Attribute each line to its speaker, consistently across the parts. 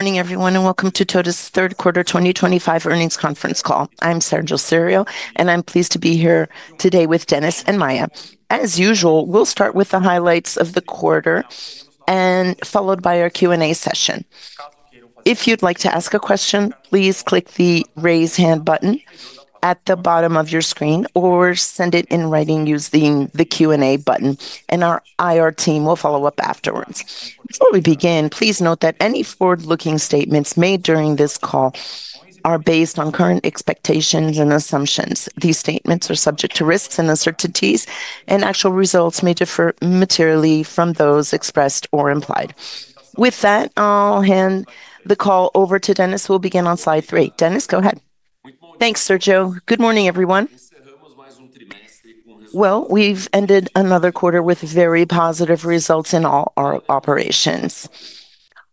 Speaker 1: Morning everyone and welcome to TOTVS's third quarter 2025 earnings conference call. I'm Sérgio Sério and I'm pleased to be here today with Dennis and Maia. As usual, we'll start with the highlights of the quarter and followed by our Q&A session. If you'd like to ask a question, please click the Raise hand button at the bottom of your screen or send it in writing using the Q&A button and our IR team will follow up afterwards. Before we begin, please note that any forward looking statements made during are based on current expectations and assumptions. These statements are subject to risks and uncertainties and actual results may differ materially from those expressed or implied. With that, I'll hand the call over to Dennis. We'll begin on slide three. Dennis, go ahead.
Speaker 2: Thanks, Sergio. Good morning everyone. Well, we've ended another quarter with very positive results in all our operations.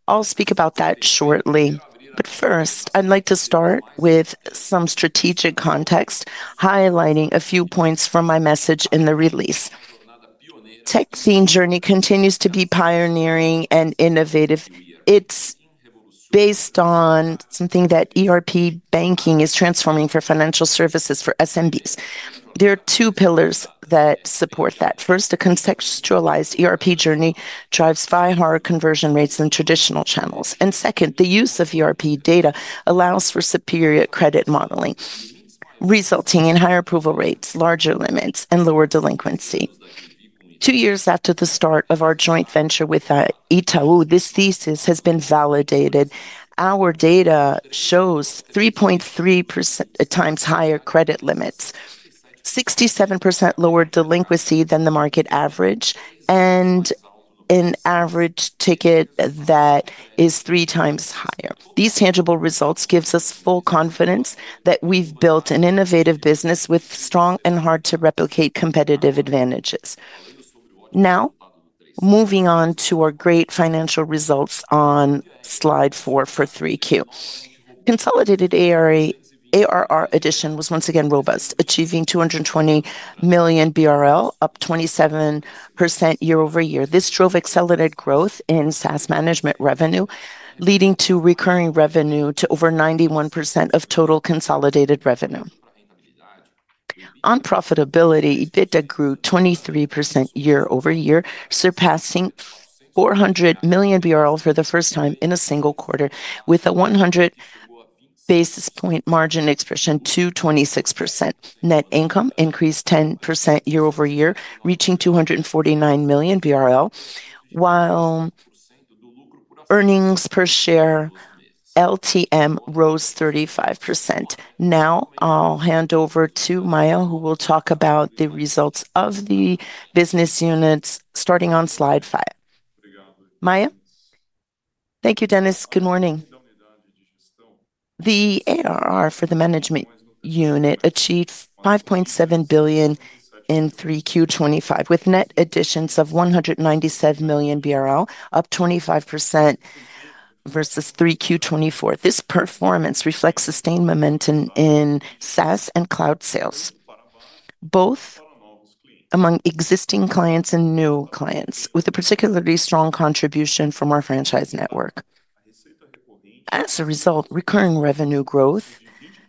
Speaker 2: I'll speak about that shortly. But first I'd like to start with some strategic context, highlighting a few points from my message in the release. Tech theme Journey continues to be pioneering and innovative. It's based on something that ERP banking is transforming for financial services. For SMBs, there are two pillars that support that. First, a contextualized ERP journey drives far higher conversion rates than traditional channels. And second, the use of ERP data allows for superior credit modeling resulting in higher approval rates, larger limits and lower delinquency. Two years after the start of our joint venture with ITAU, this thesis has been validated. Our data shows 3.3% times higher credit limits, 67% lower delinquency than the market average, and an average ticket that is three times higher. These tangible results gives us full confidence that we've built an innovative business with strong and hard to replicate competitive advantages. Now moving on to our great financial results on slide 4 for 3Q, consolidated ARR edition was once again robust, achieving 220 million BRL up 27% year-over-year. This drove accelerated growth in SaaS management revenue leading to recurring revenue to over 91% of total consolidated revenue. On profitability, EBITDA grew 23% year over year, surpassing 400 million BRL for the first time in a single quarter with a 100 basis point margin expression to 26%. Net income increased 10% year over year, reaching 249 million BRL, while earnings per share LTM rose 35%. Now I'll hand over to Maia who will talk about the results of the business units starting on slide 5. Maia.
Speaker 3: Thank you, Dennis. Good morning. The ARR for the management unit achieved 5.7 billion in 3Q25 with net additions of 197 million BRL up 25% versus 3Q24. This performance reflects sustained momentum in SaaS and cloud sales both among existing clients and new clients, with a particularly strong contribution from our franchise network. As a result, recurring revenue growth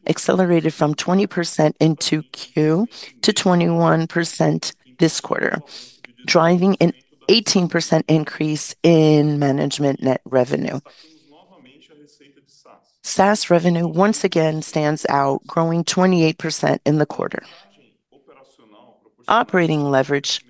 Speaker 3: accelerated from 20% in 2Q to 21% this quarter, driving an 18% increase in management net revenue. SaaS revenue once again stands out, growing 28% in the quarter. Operating leverage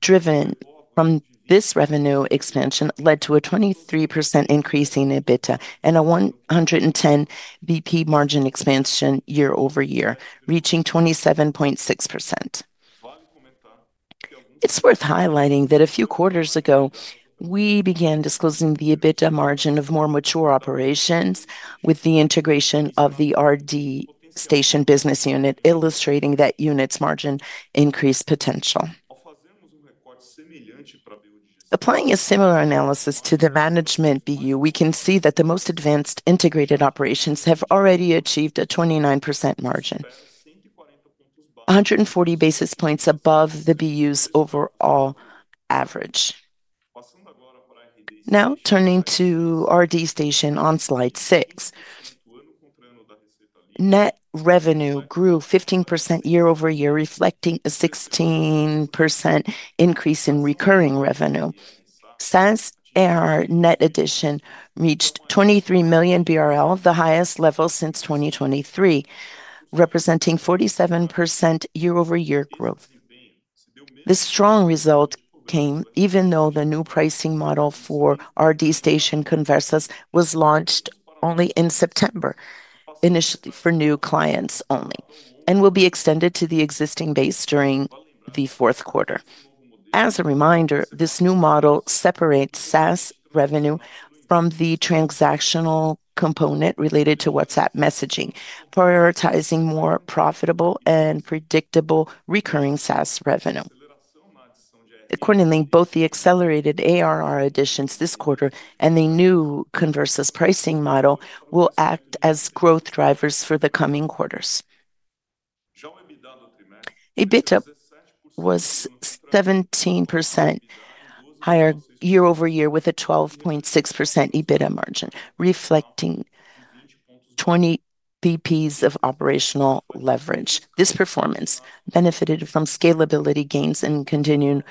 Speaker 3: driven from this revenue expansion led to a 23% increase in EBITDA and a 110 basis points margin expansion year over year reaching 27.6%. It's worth highlighting that a few quarters ago we began disclosing the EBITDA margin of more mature operations with the integration of the RD Station business unit, illustrating that unit's margin increase potential. Applying a similar analysis to the Management BU, we can see that the most advanced integrated operations have already achieved a 29% margin, 140 basis points above the BU's overall average. Now turning to RD Station on Slide 6, net revenue grew 15% year-over-year, reflecting a 16% increase in recurring revenue. SaaS ARR net addition reached 23 million BRL, the highest level since 2023, representing 47% year-over-year growth. This strong result came even though the new pricing model for RD Station Conversa was launched only in September, initially for new clients only and will be extended to the existing base during the fourth quarter. As a reminder, this new model separates SaaS revenue from the transactional component related to WhatsApp messaging, prioritizing more profitable and predictable recurring SaaS revenue. Accordingly, both the accelerated ARR additions this quarter and the new Conversa's pricing model will act as growth drivers for the coming quarters. EBITDA was 17% higher year over year with a 12.6% EBITDA margin reflecting 20bps of operational leverage. This performance benefited from scalability gains and continued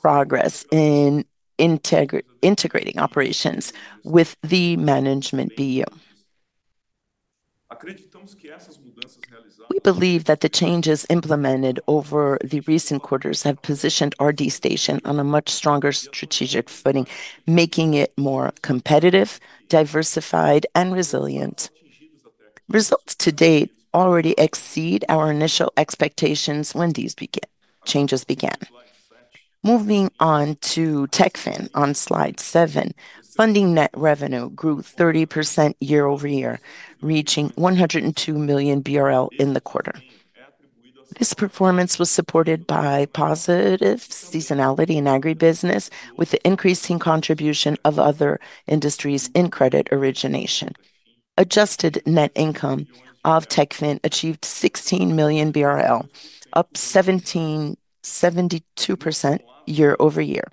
Speaker 3: progress in integrating operations with the management bu. We believe that the changes implemented over the recent quarters have positioned RD Station on a much stronger strategic footing, making it more competitive, diversified and resilient. Results to date already exceed our initial expectations when these beginning changes began. Moving on to TechFin on slide 7 Funding Net revenue grew 30% year over year, reaching 102 million BRL in the quarter. This performance was supported by positive seasonality in agribusiness with the increasing contribution of other industries in credit origination. Adjusted net income of TechFin achieved 16 million BRL up 1772% year over year.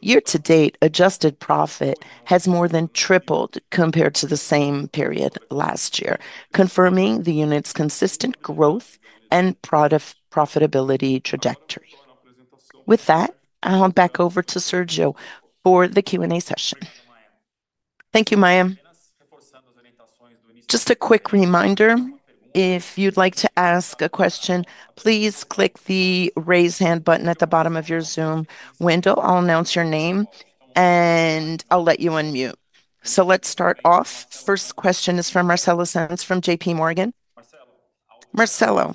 Speaker 3: Year to date, adjusted profit has more than tripled compared to the same period last year, confirming the unit's consistent growth and product profitability trajectory. With that, I'll back over to Sergio for the Q&A session.
Speaker 1: Thank you, Maia. Just a quick reminder. If you'd like to ask a question, please click the raise hand button at the bottom of your zoom window. I'll announce your name and I'll let you unmute. So let's start off. First question is from Marcelo Simmons from JPMorgan. Marcelo,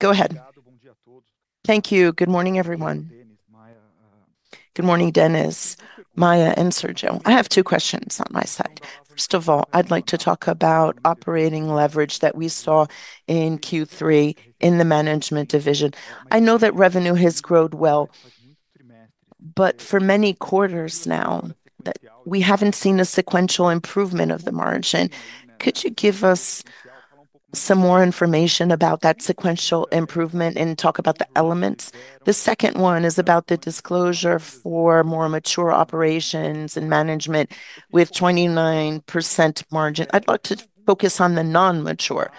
Speaker 1: go ahead.
Speaker 4: Thank you. Good morning, everyone. Good morning, Dennis, Maia and Sergio. I have two questions on my side. First of all, I'd like to talk about operating leverage that we saw in Q in the management division. I know that revenue has grown well, but for many quarters now we haven't seen a sequential improvement of the margin. Could you give us some more information about that sequential improvement and talk about the elements? The second one is about the disclosure. For more mature operations and management with 29% margin, I'd like to focus on the non mature.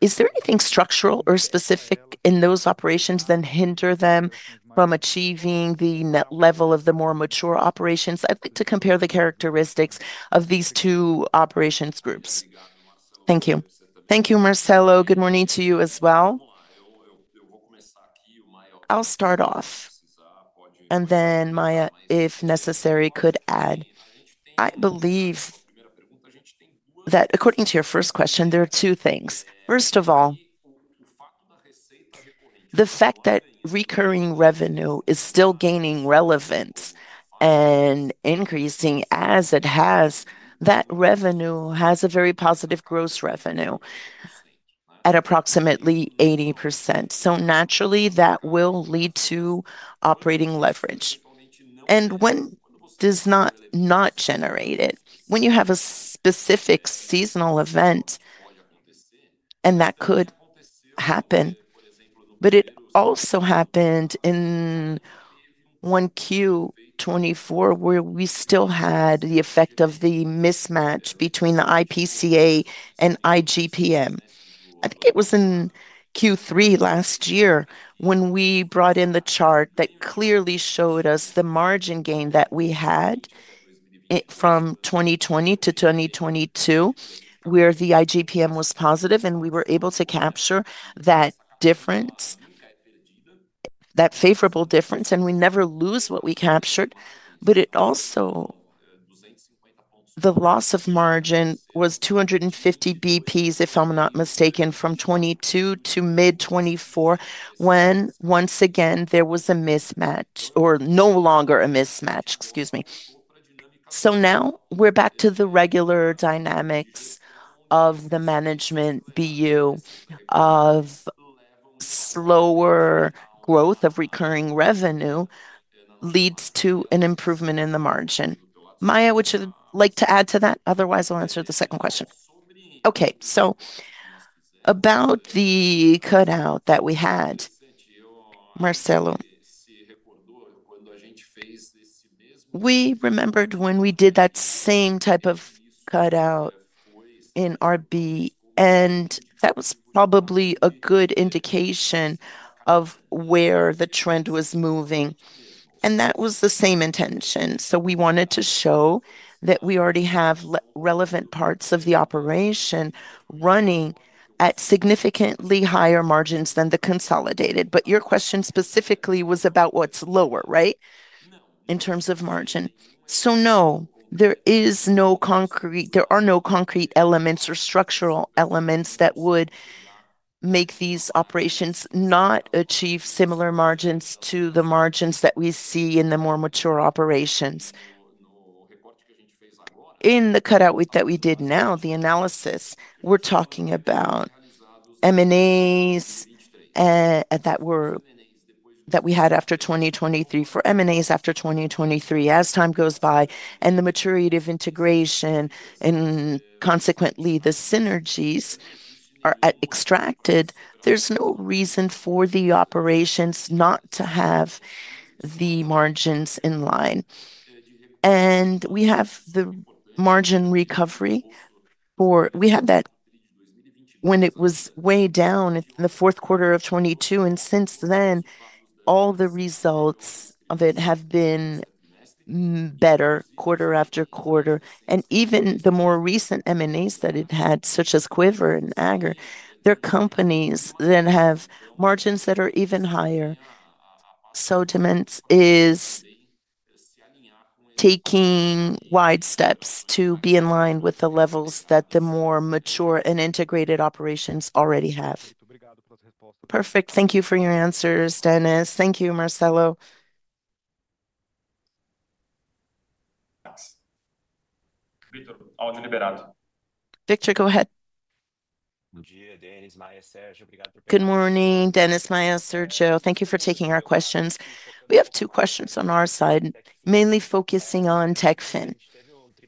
Speaker 4: Is there anything structural or specific in those operations that hinder them from achieving the net level of the more mature operations? I'd like to compare the characteristics of these two operations groups. Thank you.
Speaker 2: Thank you, Marcelo. Good morning to you as well. I'll start off and then Maia, if necessary, could add. I believe that according to your first question, there are two things. First of all, the fact that recurring revenue is still gaining relevance and increasing as it has that revenue has a very positive gross revenue at approximately 80%. So naturally that will lead to operating leverage and one does not not generate it when you have a specific seasonal event. And that could happen, but it also happened in 1Q24 where we still had the effect of the mismatch between the IPCA and IGPM. I think it was in Q3 last year when we brought in the chart that clearly showed us the margin gain that we from 2020 to 2022 where the IGPM was positive and we were able to capture that difference, that favorable difference. And we never lose what we captured. But it also the loss of margin was 250bps, if I'm not mistaken, from 22 to mid-24, when once again there was a mismatch or no longer a mismatch. Excuse me. So now we're back to the regular dynamics of the management bu of slower growth of recurring revenue leads to an improvement in the margin. Maia, would you like to add to that otherwise, I'll answer the second question.
Speaker 3: Okay. So about the cutout that we had, Marcelo. We remembered when we did that same type of cut out in RB and that was probably a good indication of where the trend was moving. And that was the same intention. So we wanted to show that we already have relevant parts of the operation running at significantly higher margins than the consolidated. But your question specifically was about what's lower, right. In terms of margin. So, no, there is no concrete. There are no concrete elements or structural elements that would make these operations not achieve similar margins to the margins that we see in the more mature operations in the cutout that we did. Now, the analysis we're talking about M&As that were that we had after 2023 for M&As after 2023, as time goes by and the maturity of integration and consequently the synergies are extracted, there's no reason for the operations not to have the margins in line. And we have the margin recovery for we had that when it was way down in 4Q22. And since then all the results of it have been better quarter after quarter. And even the more recent M&As that it had, such as Quiver and Agar, they're companies that have margins that are even higher. So Dimens is taking wide steps to be in line with the levels that the more mature and integrated operations already have.
Speaker 4: Perfect. Thank you for your answers, Dennis. Thank you, Marcelo.
Speaker 1: Victor, go ahead. Good morning, Dennis. Maia, Sergio, thank you for taking our questions. We have 2 questions on our side, mainly focusing on TechFin.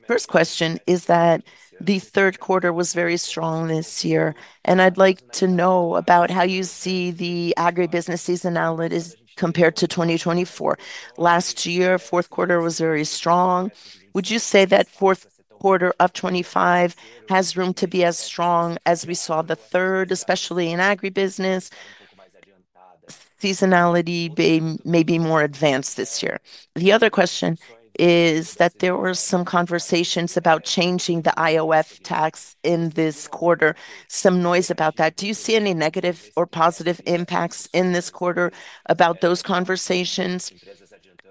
Speaker 1: First question is that the third quarter was very strong this year. And I'd like to know about how you see the agribusiness seasonality compared to 2024 last year. Fourth quarter was very strong. Would you say that 4Q25 has room to be as strong as we saw the third? Especially in agribusiness? Seasonality may be more advanced this year. The other question is that there were some conversations about changing the IOF tax in this quarter. Some noise about that. Do you see any negative or positive impacts in this quarter about those conversations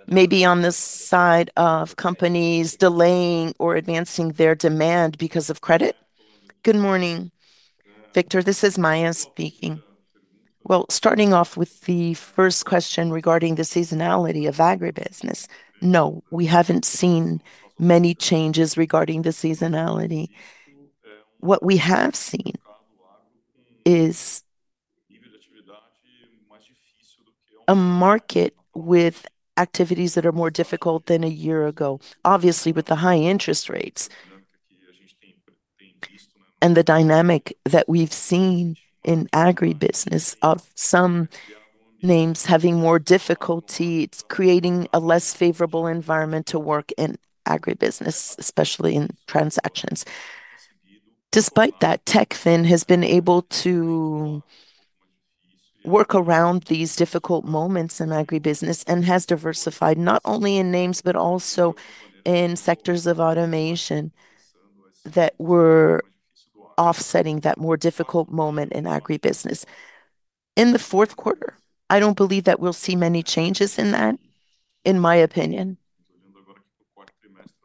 Speaker 1: may be on the side of companies delaying or advancing their demand because of credit?
Speaker 3: Good morning, Victor. This is Maia speaking. Well, starting off with the first question regarding the seasonality of agribusiness. No, we haven't seen many changes regarding the seasonality. What we have seen is a market with activities that are more difficult than a year ago. Obviously with the high interest rates and the dynamic that we've seen in agribusiness of some names having more difficulty, it's creating a less favorable environment to work in agribusiness, especially in transactions. Despite that, TechFin has been able to work around these difficult moments in agribusiness and has diversified not only in names, but also in sectors of automation that were offsetting that more difficult moment in agribusiness. In the fourth quarter, I don't believe that we'll see many changes in that. In my opinion,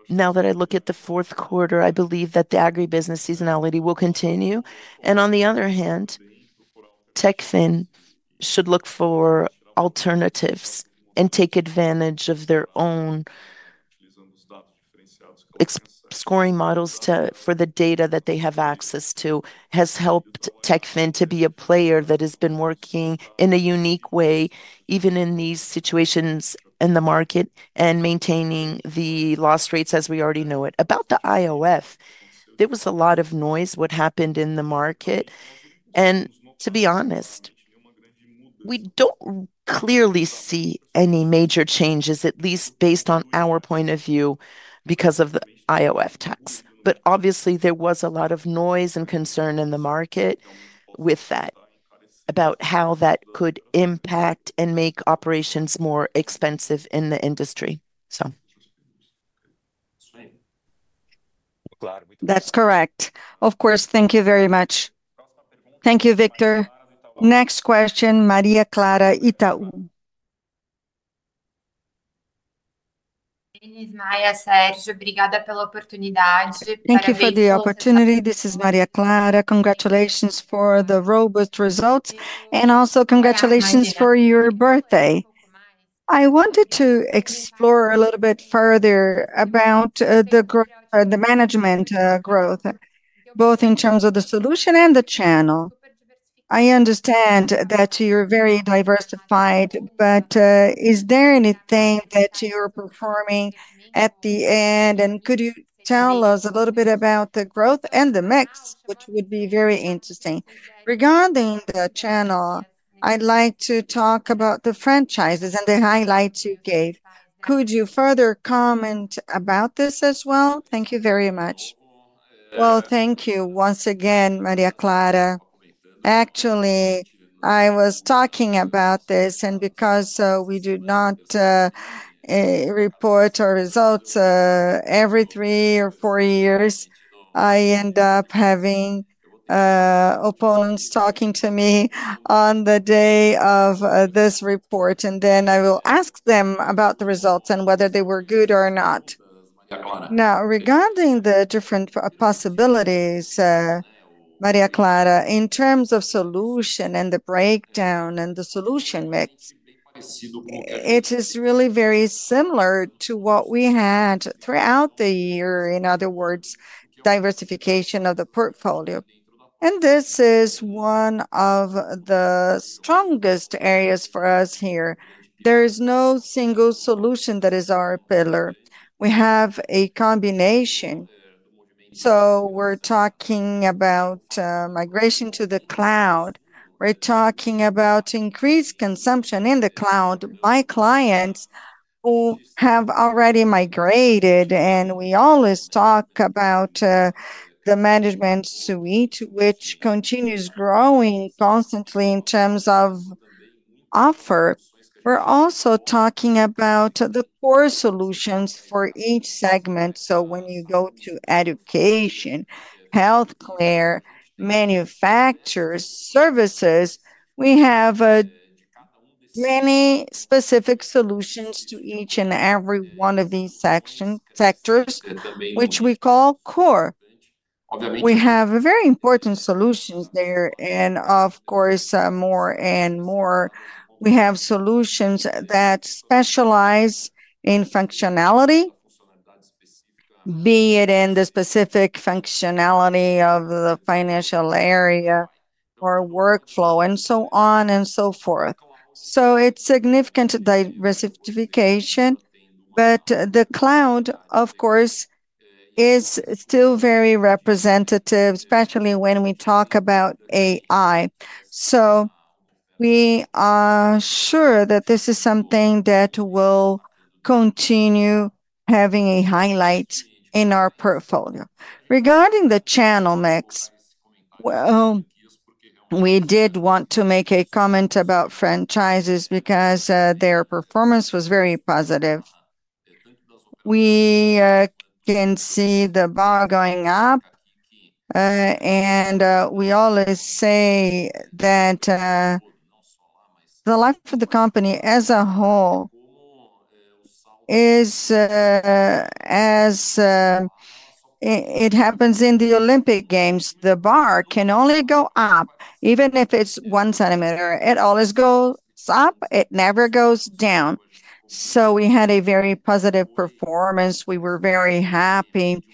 Speaker 3: now that I look at the fourth quarter, I believe that the agribusiness seasonality will continue. And on the other hand, TechFin should look for alternatives and take advantage of their own scoring models for the data that they have access to has helped TechFin to be a player that has been working in a unique way even in these situations in the market and maintaining the loss rates as we already know it. About the iof, there was a lot of noise what happened in the market and to be honest, we don't clearly see any major changes, at least based on our point of view because of the IOF tax. But obviously there was a lot of noise and concern in the market with that, about how that could impact and make operations more expensive in the industry. So. That'S correct, of course. Thank you very much. Thank you, Victor.
Speaker 1: Next question. Maria Clara, Itaú.
Speaker 5: Thank you for the opportunity. This is Maria Clara. Congratulations for the robust results and also congratulations for your birthday. I wanted to explore a little bit further about the growth, the management growth, both in terms of the solution and the channel. I understand that you're very diversified, but is there anything that you're performing at the end? And could you tell us a little bit about the growth and the mix, which would be very interesting? Regarding the channel, I'd like to talk about the franchises and the highlights you gave. Could you further comment about this as well? Thank you very much.
Speaker 2: Well, thank you once again, Maria Clara. Actually, I was talking about this and because we do not report our results every three or four years, I end up having opponents talking to me on the day of this report and then I will ask them about the results and whether they were good or not. Now, regarding the different possibilities, Maria Clara, in terms of solution and the breakdown and the solution mix, it is really very similar to what we had throughout the year. In other words, diversification of the portfolio. And this is one of the strongest areas for us here. There is no single solution that is our pillar. We have a combination. So we're talking about migration to the cloud, we're talking about increased consumption in the cloud by Clients who have already migrated. And we always talk about the management suite, which continues growing constantly in terms of offer. We're also talking about the core solutions for each segment. So when you go to education, healthcare, manufacturers, services, we have many specific solutions to each and every one of these sections sectors which we call core. We have very important solutions there. And of course more and more we have solutions that specialize in functionality, be it in the specific functionality of the financial area or workflow and so on and so forth. So it's significant diversification. But the cloud of course is still very representative, especially when we talk about AI. So we are sure that this is something that will continue having a highlight in our portfolio. Regarding the channel mix, well, we did want to make a comment about franchises because their performance was very positive. We can see the bar going up and we always say that the life of the company as a whole is as it happens in the Olympic Games, the bar can only go up, even if it's 1 cm. It always goes up, it never goes down. So we had a very positive performance, we were very happy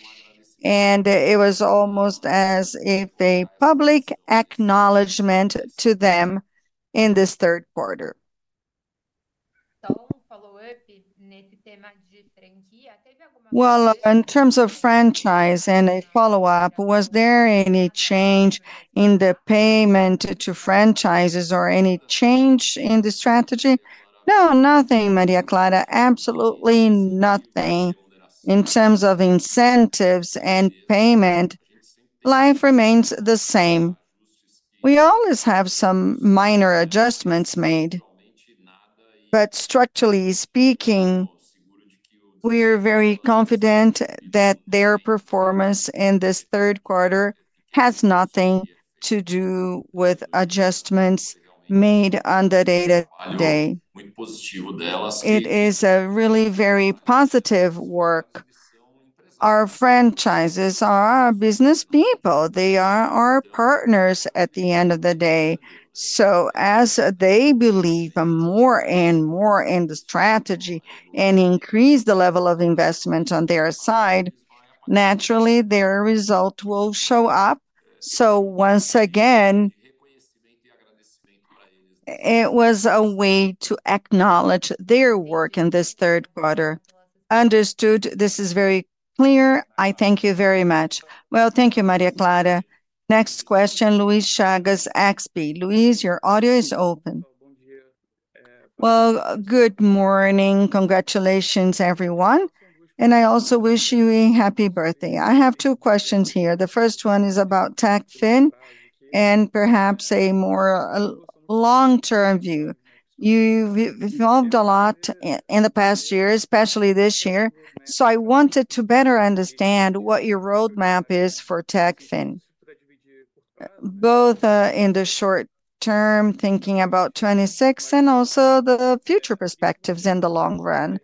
Speaker 2: and it was almost as if a public acknowledgment to them in this third quarter.
Speaker 5: Well, in terms of franchise and a follow up, was there any change in the payment to franchises or any change in the strategy?
Speaker 2: No, nothing, Maria Clara. Absolutely nothing. In terms of incentives and payment, life remains the same. We always have some minor adjustments made. But structurally speaking, we are very confident that their performance in this third quarter has nothing to do with adjustments made on the data day. It is a really very positive work. Our franchises are business people, they are our partners at the end of the day. So as they believe more and more in the strategy and increase the level of investment on their side, naturally their result will show up. So once again it was a way to acknowledge their work in this third quarter.
Speaker 5: Understood. This is very clear. I thank you very much.
Speaker 2: Well, thank you, Maria Clara.
Speaker 1: Next question. Luis Chagas, XP. Luis, your audio is open.
Speaker 6: Well, good morning. Congratulations everyone. And I also wish you a happy birthday. I have two questions here. The first one is about TechFin and perhaps a more long term view. You've evolved a lot in the past year, especially this year. So I wanted to better understand what your roadmap is for TechFin both in the short term, thinking about 26 and also the future perspectives in the long run.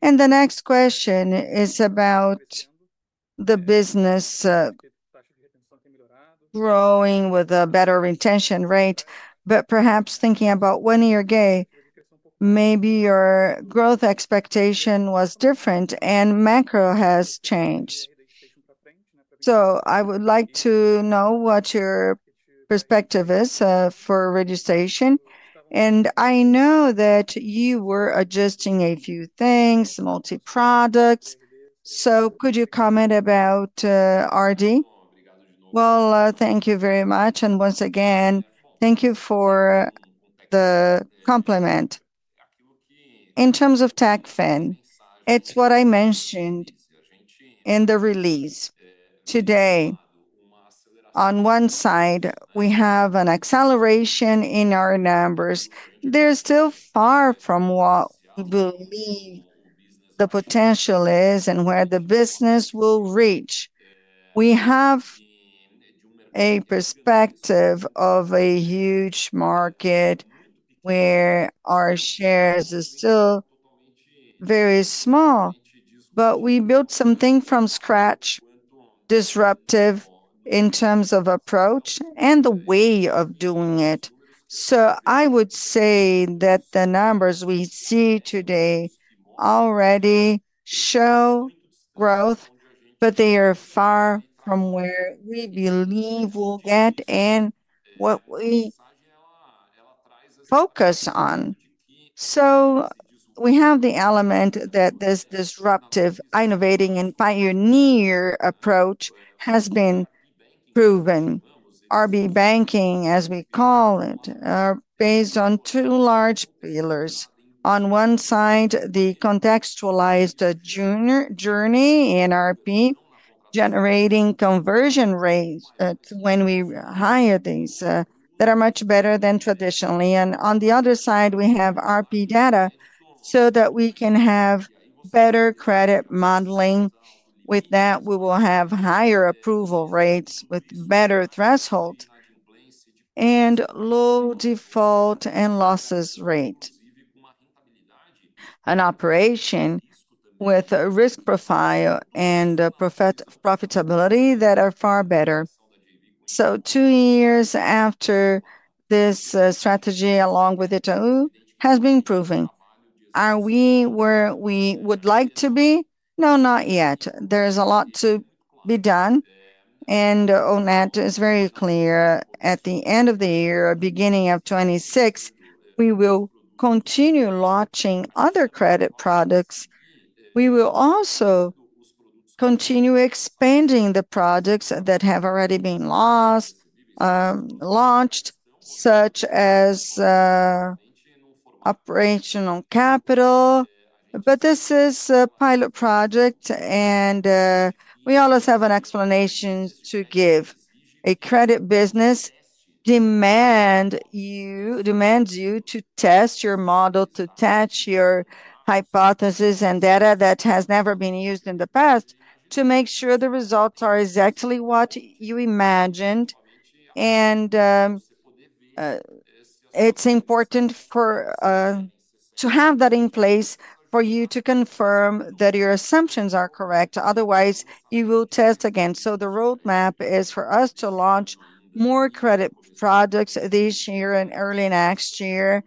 Speaker 6: And the next question is about the business growing with a better retention rate. But perhaps thinking about one year gay, maybe your growth expectation was different and macro has changed. So I Would like to know what your perspective is for registration and I know that you were adjusting a few things multi products. So could you comment about RD?
Speaker 2: Well, thank you very much and once again thank you for the compliment. In terms of TechFin, it's what I mentioned in the release today. On one side we have an acceleration in our numbers. They're still far from what believe the potential is and where the business will reach. We have a perspective of a huge market where our shares are still very small, but we built something from scratch disruptive in terms of approach and the way of doing it. So I would say that the numbers we see today already show growth, but they are far from where we believe we'll get and what we focus on. So we have the element that this disruptive, innovating and pioneer approach has been proven. RB banking as we call it are based on two large pillars. On one side, the contextualized journey in RB generating conversion rates when we hire these that are much better than traditionally. And on the other side we have RB data so that we can have better credit modeling. With that we will have higher approval rates with better threshold and low default and losses rate. An operation with risk profile and profitability that are far better.
Speaker 6: So two years after this strategy along with Itaú has been proven, are we where we would like to be?
Speaker 2: No, not yet. There's a lot to be done and on that is very clear. At the end of the year, beginning of 26, we will continue launching other credit products. We will also continue expanding the projects that have already been launched, such as operational capital. But this is a pilot project and we always have an explanation to give a credit business demand you demand you to test your model, to attach your hypothesis and data that has never been used in the past to make sure the results are exactly what you you imagined. And it's important for to have that in place for you to confirm that your assumptions are correct. Otherwise you will test again. So the roadmap is for us to launch more credit products this year and early next year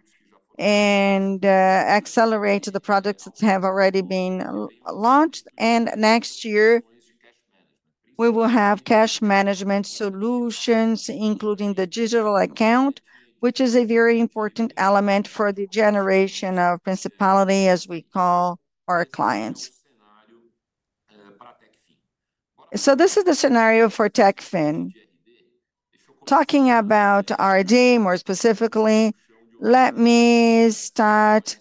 Speaker 2: and accelerate the products that have already been launched. And next year we will have cash management solutions, including the digital account, which is a very important element for the generation of Principality, as we call our clients. So this is the scenario for TechFin talking about RD. More specifically, let me start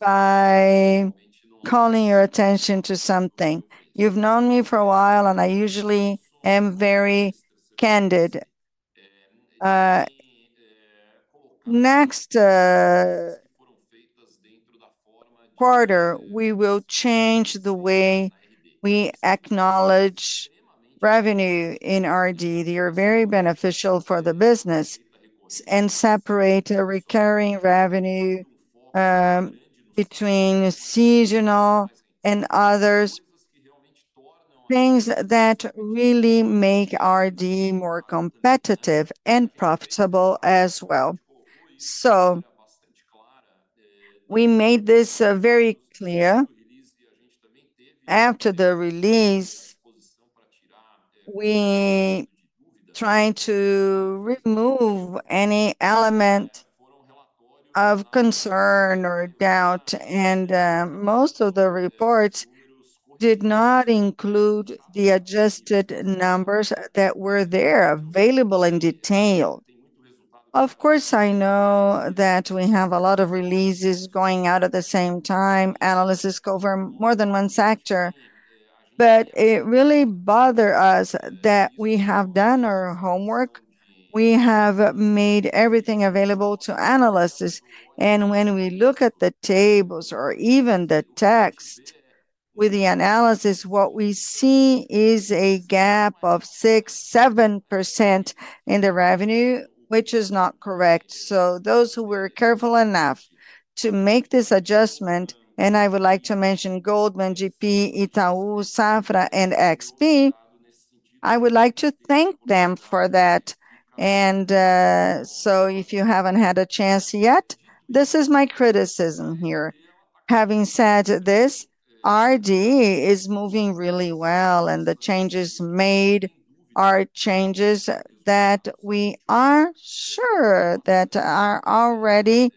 Speaker 2: by calling your attention to something. You've known me for a while and I usually am very candid. Next quarter we will change the way we acknowledge revenue in RD. They are very beneficial for the business and separate recurring revenue between seasonal and others things that really make RD more competitive and profitable as well. So we made this very clear after the release. We tried to remove any element of concern or doubt. And most of the reports did not include the adjusted numbers that were there available in detail. Of course, I know that we have a lot of releases going out at the same time, analysis cover more than one sector. But it really bothers us that we have done our homework. We have made everything available to analysis. And when we look at the tables or even the text with the analysis, what we see is a gap of 6%,7% in the revenue, which is not correct. So those who were careful enough to make this adjustment, and I would like to mention Goldman, GP, Itaú, Safra and XP, I would like to thank them for that. And so if you haven't had a chance yet, this is my criticism here. Having said this, RD is moving really well and the changes made are changes that we are sure that are already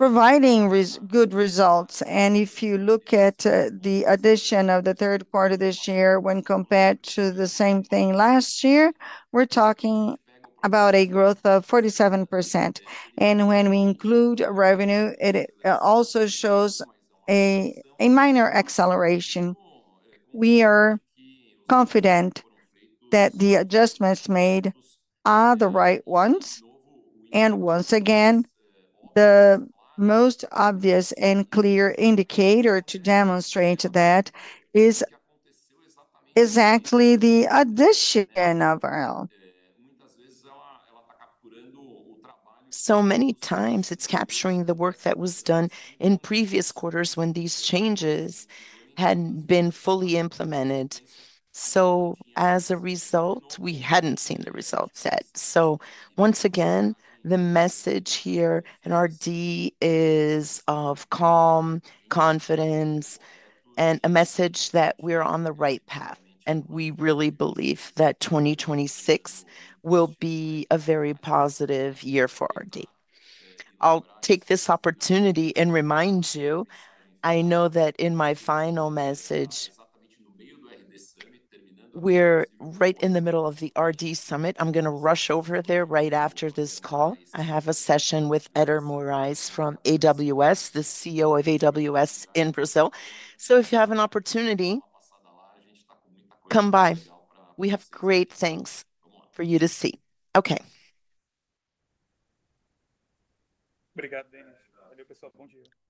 Speaker 2: providing good results. And if you look at the addition of the third quarter this year, when compared to the same thing last year, we're talking about a growth of 47%. And when we include revenue, it also shows a minor acceleration. We are confident that the adjustments made are the right ones. And once again, the most obvious and clear indicator to demonstrate that is exactly the addition of RL. So many times it's capturing the work that was done in previous quarters when these changes hadn't been fully implemented. So as a result, we hadn't seen the results yet. So once again, the message here in RD is of calm confidence and a message that we're on the right path and we really believe that 2026 will be a very positive year for RD. I'll take this opportunity and remind you I know that in my final message, we're right in the middle of the RD summit. I'm going to rush over there. Right after this call, I have a session with Éder Moraes from AWS, the CEO of AWS in Brazil. So if you have an opportunity, come by. We have great things for you to see. Okay.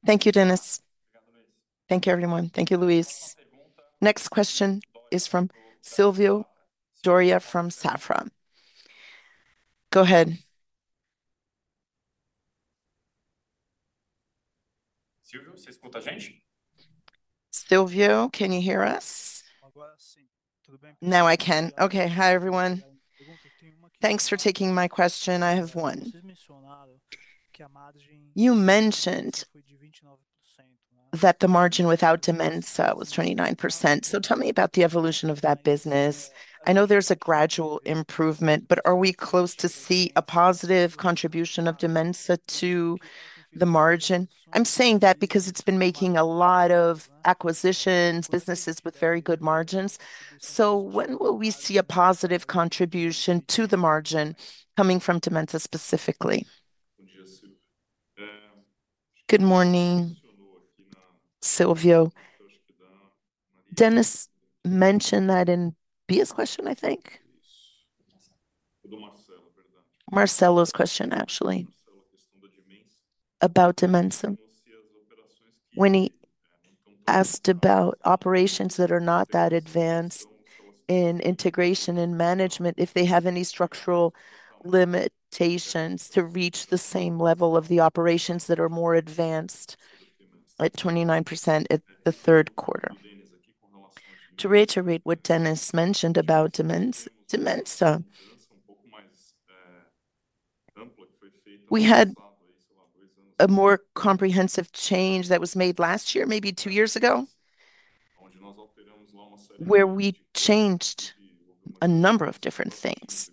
Speaker 6: Thank you, Dennis. Thank you, everyone.
Speaker 2: Thank you, Luis.
Speaker 1: Next question is from Silvio Dória from Safra. Go ahead. Silvio, can you hear us now?
Speaker 7: Now I can. Okay. Hi everyone. Thanks for taking my question. I have one. You mentioned that the margin without Dementa was 29%. So tell me about the evolution of that business. I know there's a gradual improvement, but are we close to see a positive contribution of dementia to the margin? I'm saying that because it's been making a lot of acquisitions, businesses with very good margins. So when will we see a positive contribution to the margin coming from dementia, specifically?
Speaker 3: Good morning, Silvio. Dennis mentioned that in BS question I think. Marcelo's question actually about dimension, when he asked about operations that are not that advanced in integration and management, if they have any structural limitations to reach the same level of the operations that are More advanced at 29 at the third quarter. To reiterate what Dennis mentioned about dementia, we had a more comprehensive change that was made last year, maybe two years ago, where we changed a number of different things,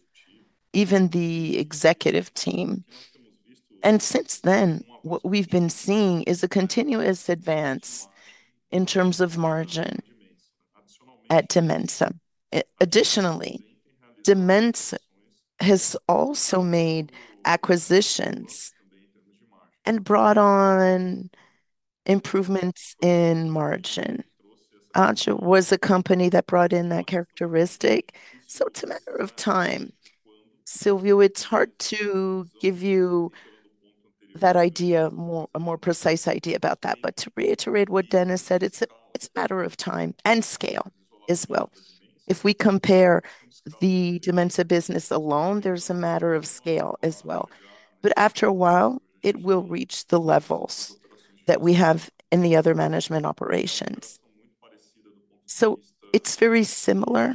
Speaker 3: even the executive team. And since then what we've been seeing is a continuous advance in terms of margin at dementia. Additionally, dementia has also made acquisitions and brought on improvements in margin. Adjo was a company that brought in that characteristic. So it's a matter of time, Silvio, it's hard to give you that idea more, a more precise idea about that. But to reiterate what Dennis said, it's a matter of time and scale as well. If we compare the dementia business alone, there's a matter of scale as well. But after a while it will reach the levels that we have in the other management operations. So it's very similar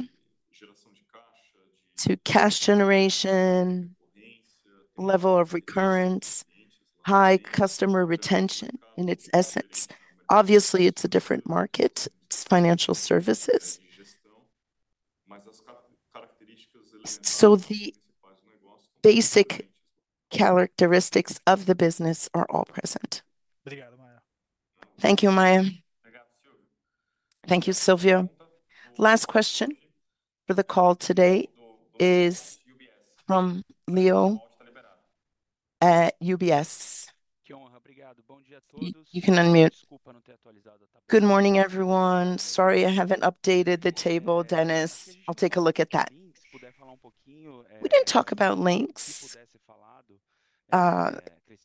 Speaker 3: to cash generation, level of recurrence, high customer retention. In its essence, obviously it's a different market, it's financial services. So the basic characteristics of the business are all present.
Speaker 7: Thank you, Maia.
Speaker 3: Thank you, Silvio.
Speaker 1: Last question for the call today is from Leo at UBS. You can unmute. Good morning, everyone. Sorry I haven't updated the table, Dennis. I'll take a look at that. We didn't talk about links.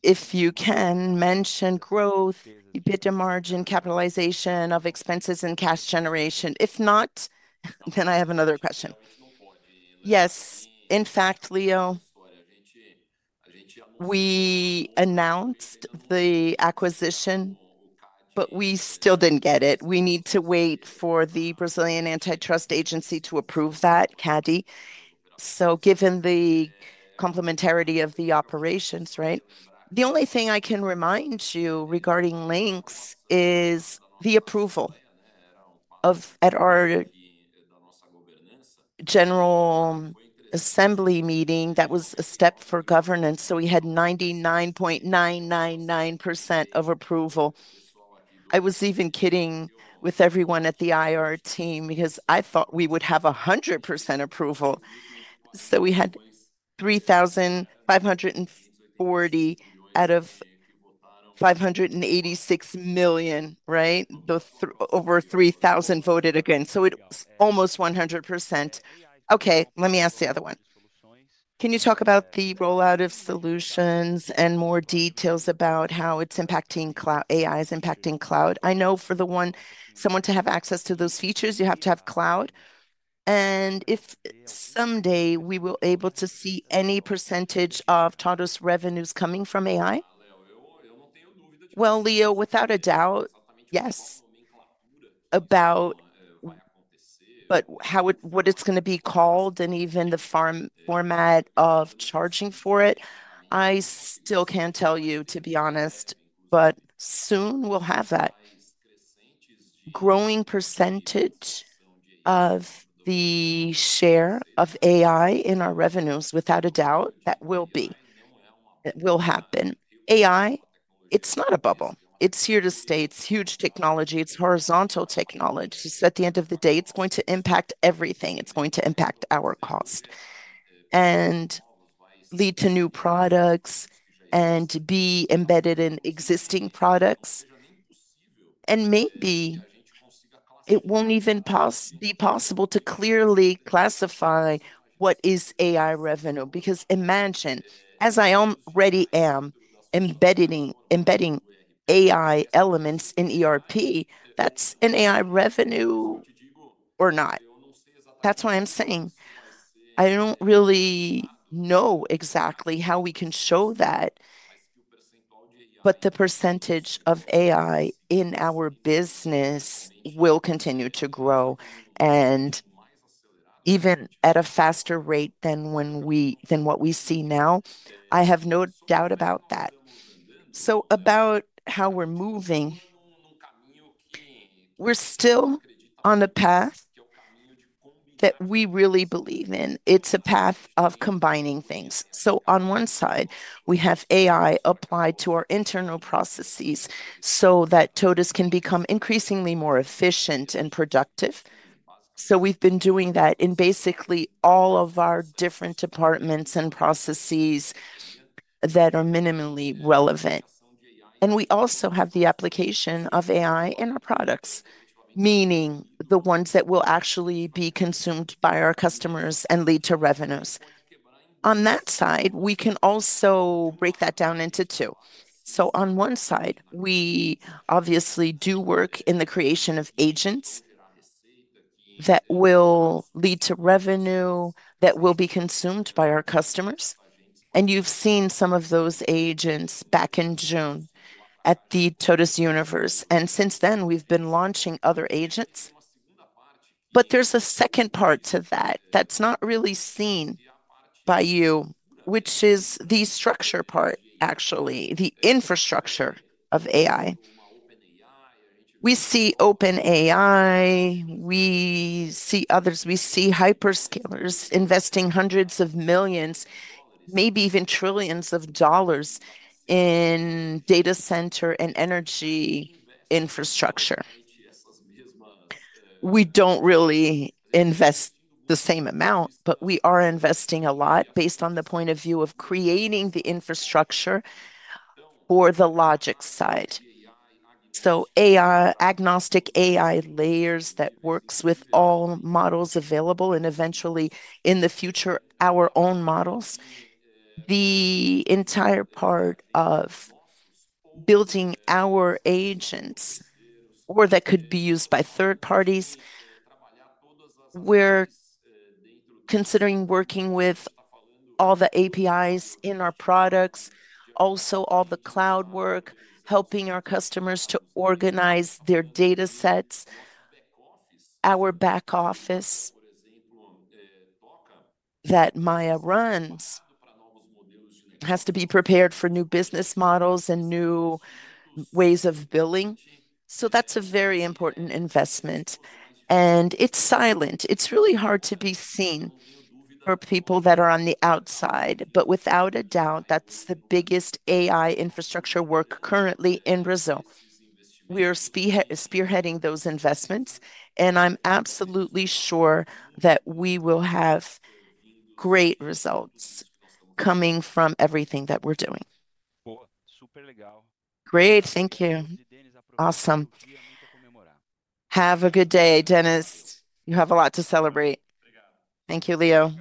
Speaker 1: If you can mention growth, EBITDA margin capitalization of expenses and cash generation. If not, then I have another question.
Speaker 2: Yes, in fact, Leo, we announced the acquisition, but we still didn't get it. We need to wait for the Brazilian antitrust agency to approve that caddy. And so, given the complementarity of the operations. Right. The only thing I can remind you regarding links is the approval of. At our General assembly meeting, that was a step for governance. So we had 99.999% of approval. I was even kidding with everyone at the IR team because I thought we would have 100% approval. And so we had 3,540 out of 586 million. Right. Over 3,000 voted again, so it almost 100%. Okay, let me ask the other one. Can you talk about the rollout of solutions and more details about how it's impacting cloud AI? Is impacting cloud. I know for the one someone to have access to those features, you have to have cloud. And if someday we will able to see any percentage of tados revenues coming from AI. Well Leo, without a doubt, yes about but how it what it's going to be called and even the farm format of charging for it, I still can't tell you to be honest. But soon we'll have that growing percentage of the share of AI in our revenues. Without a doubt that will be it will happen. AI, it's not a bubble, it's here to stay. It's huge technology, it's horizontal technologies. At the end of the day it's going to impact everything. It's going to impact our cost and lead to new products and be embedded in existing products. And maybe it won't even be possible to clearly classify what is AI revenue. Because imagine as I already am embedding AI elements in erp, that's an AI revenue or not. That's why I'm saying I don't really know exactly how we can show that. But the percentage of AI in our business will continue to grow and even at a faster rate than when we. Than what we see now. I have no doubt about that. So about how we're moving, we're still on the path that we really believe in. It's a path of combining things. So on one side we have AI applied to our internal processes so that Totus can become increasingly more efficient and productive. So we've been doing that in basically all of our different departments and processes that are minimally relevant. And we also have the application of AI in our products, meaning the ones that will actually be consumed by our customers and lead to revenues. On that side we can also break that down into two. So on one side we obviously do work in the creation of agents that will lead to revenue that will be consumed by our customers. And you've seen some of those agents back in June at the Totus Universe. And since then we've been launching other agents. But there's a second part to that that's not really seen by you, which is the structure part, actually the infrastructure of AI. We see open AI, we see others, we see hyperscalers investing hundreds of millions, maybe even trillions of dollars in data center and energy infrastructure. We don't really invest the same amount, but we are investing a lot based on the point of view of creating the infrastructure for the logic side. So agnostic AI layers that works with all models available and eventually in the future, our own models, the entire part of building our agents or that could be used by third parties. We're considering working with all the APIs in our products, also all the cloud work, helping our customers to organize their data sets. Our back office that Maia runs has to be prepared for new business models and new ways of billing. So that's a very important investment and it's silent. It's really hard to be seen for people that are on the outside. But without a doubt, that's the biggest AI infrastructure work currently in Brazil. We are spearheading those investments and I'm absolutely sure that we will have great results coming from everything that we're doing. Great. Thank you. Awesome. Have a good day, Dennis, you have a lot to celebrate. Thank you, Leo.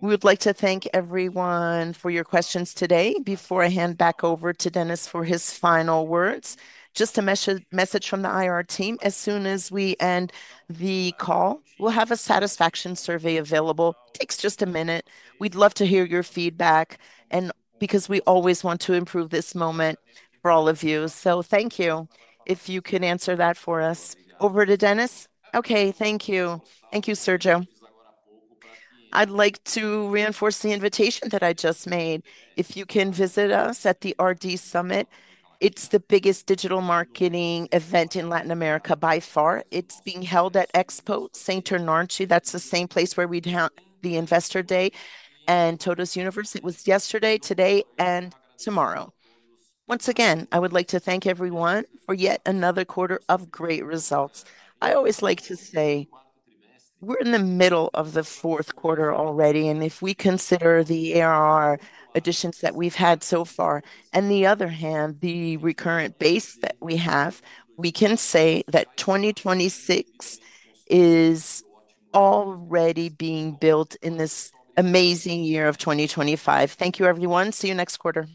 Speaker 1: We would like to thank everyone for your questions today. Before I hand back over to Dennis for his final words, just a message from the IR team. As soon as we end the call, we'll have a satisfaction survey available. Takes just a minute. We'd love to hear your feedback because we always want to improve this moment for all of you. So thank you. If you can answer that for us over to Dennis.
Speaker 2: Okay, thank you. Thank you, Sergio. I'd like to reinforce the invitation that I just made if you can visit us at the RD Summit. It's the biggest digital marketing event in Latin America by far. It's being held at Expo St. Ternarchi. That's the same place where we'd have the Investor Day and Totus Universe. It was yesterday, today and tomorrow. Once again, I would like to thank everyone for yet another quarter of great results. I always like to say we're in the middle of the fourth quarter already and if we consider the arrival additions that we've had so far, on the other hand, the recurrent base that we have, we can say that 2026 is already being built in this amazing year of 2025. Thank you everyone. See you next quarter.